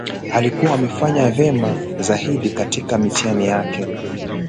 Alikua amefanya vyema zaidi katika mitihani yake